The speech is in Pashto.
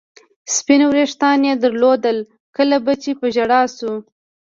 سپین وریښتان یې درلودل، کله به چې په ژړا شوه.